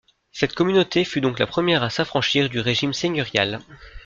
Cette communauté fut donc la première à s’affranchir du régime seigneurial.